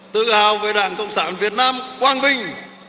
tự hào về đảng cộng sản việt nam quang vinh